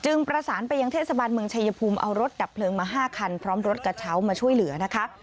ประสานไปยังเทศบาลเมืองชายภูมิเอารถดับเพลิงมา๕คันพร้อมรถกระเช้ามาช่วยเหลือนะคะ